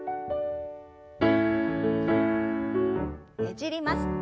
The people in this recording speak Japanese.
ねじります。